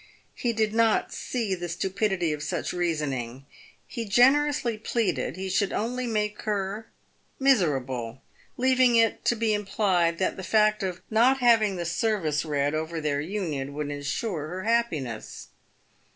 He did not see the stupidity of such reasoning. He generously pleaded he should only make her miserable, leaving it to be im plied that the fact of not having the service read over their union would ensure her happiness.